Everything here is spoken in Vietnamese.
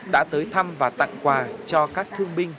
đã tới thăm và tặng quà cho các thương binh